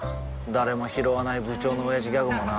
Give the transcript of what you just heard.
誰もひろわない部長のオヤジギャグもな